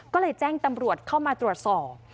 ก็เลยแจ้งตำรวจเข้ามาตรวจสอบ